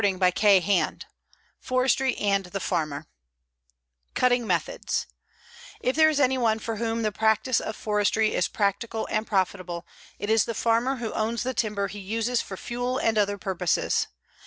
CHAPTER V FORESTRY AND THE FARMER CUTTING METHODS If there is anyone for whom the practice of forestry is practical and profitable, it is the farmer who owns the timber he uses for fuel or other purposes.